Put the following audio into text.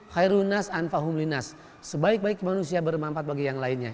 khairunnas an fahumlinas sebaik baik manusia bermanfaat bagi yang lainnya